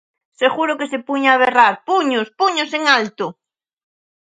Seguro que se puña a berrar "¡Puños, puños en alto!"